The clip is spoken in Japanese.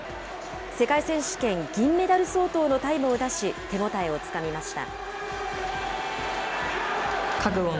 世界選手権銀メダル相当のタイムを出し、手応えをつかみました。